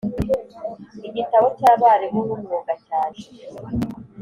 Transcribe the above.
igitabo cy abarimu b umwuga cyaje